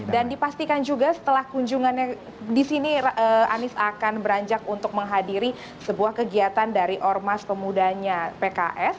dan dipastikan juga setelah kunjungannya di sini anis akan beranjak untuk menghadiri sebuah kegiatan dari ormas pemudanya pks